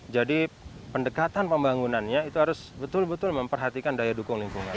jadi pendekatan pembangunannya itu harus betul betul memperhatikan daya dukung lingkungan